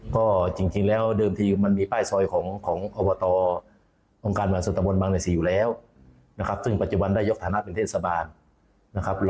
ก็จริงแล้วเดิมทีมันมีป้ายซอยของอบตองค์การบางส่วนตะบนบางใน๔อยู่แล้วนะครับซึ่งปัจจุบันได้ยกฐานะเป็นเทศบาลนะครับ